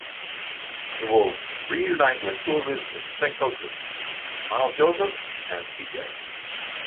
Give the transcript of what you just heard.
He will reunite with two of his assistant coaches, Miles Joseph and C. J.